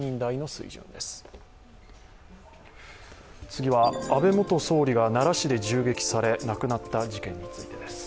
次は安倍元総理が奈良市で銃撃され亡くなった事件についてです。